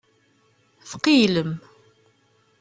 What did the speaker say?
Tqeyylem.